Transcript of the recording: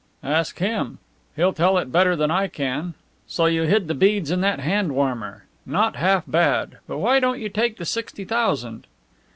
"Ask him. He'll tell it better than I can. So you hid the beads in that hand warmer! Not half bad. But why don't you take the sixty thousand?"